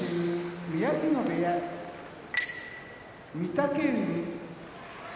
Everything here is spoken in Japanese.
宮城野部屋御嶽海